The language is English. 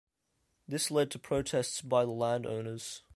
This led to protests by the land-owners.